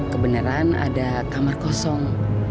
kebeneran ada kamar kosong